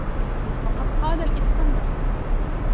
وَقَدْ قَالَ الْإِسْكَنْدَرُ